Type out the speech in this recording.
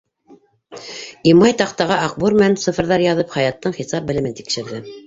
Имай, таҡтаға аҡбур менән цифрҙар яҙып, Хаяттың хисап белемен тикшерҙе: